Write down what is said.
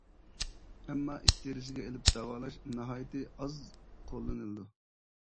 ئەمما ئىت تېرىسىگە ئېلىپ داۋالاش ناھايىتى ئاز قوللىنىلىدۇ.